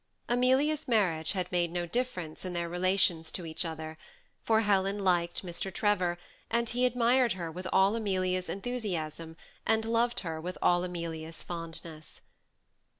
Amelia's marriage had made no difference in their relations to each other, for Helen liked Mr. Trevor, and he admired her with all Amelia's enthusiasm, and loved her with all Amelia's fondness.